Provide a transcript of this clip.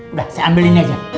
udah saya ambil ini aja